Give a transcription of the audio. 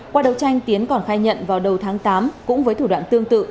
qua đấu tranh tiến còn khai nhận vào đầu tháng tám cũng với thủ đoạn tương tự